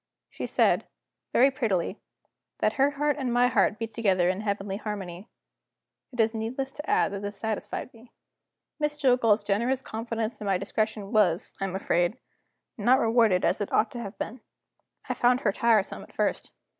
She said, very prettily, that her heart and my heart beat together in heavenly harmony. It is needless to add that this satisfied me. Miss Jillgall's generous confidence in my discretion was, I am afraid, not rewarded as it ought to have been. I found her tiresome at first.